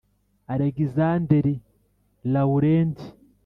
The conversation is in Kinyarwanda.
Alegisanderi, Lawurenti